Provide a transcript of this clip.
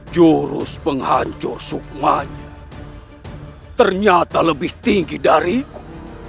jurus penghancur sukmanya ternyata lebih tinggi dariku